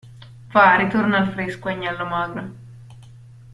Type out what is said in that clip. Va, ritorna al fresco, agnello magro!